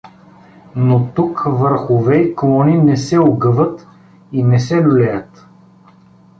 Но тук върхове и клони не се огъват и не се люлеят.